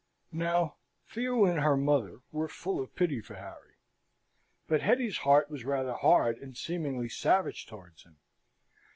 Now Theo and her mother were full of pity for Harry; but Hetty's heart was rather hard and seemingly savage towards him.